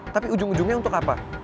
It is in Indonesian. tapi ujung ujungnya untuk apa